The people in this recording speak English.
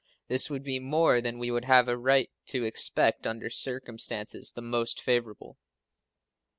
This would be more than we would have a right to expect under circumstances the most favorable.